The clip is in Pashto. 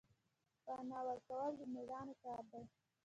پنا ورکول د میړانې کار دی